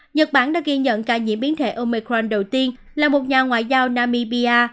nhật bản đã ghi nhận ca nhiễm biến thể omecran đầu tiên là một nhà ngoại giao namibia